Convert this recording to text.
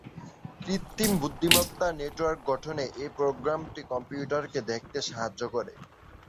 কৃত্রিম বুদ্ধিমত্তার নেটওয়ার্ক গঠনে এই প্রোগ্রামটি কম্পিউটারকে দেখতে সাহায্য করে।